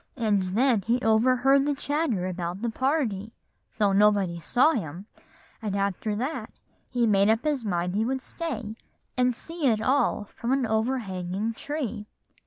And then he overheard the chatter about the party, though nobody saw him; and after that he made up his mind he would stay and see it all from an overhanging tree."